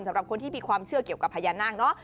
สำหรับคนที่มีความเชื่อเกี่ยวกับพญานาคเนอะ